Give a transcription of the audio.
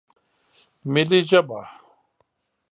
ملي ژبه